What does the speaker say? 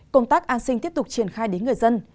công tác an sinh tiếp tục triển khai đến người dân